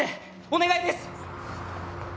お願いです